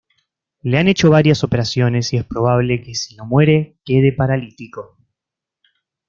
Le han hecho varias operaciones y es probable que si no muere, quede paralítico.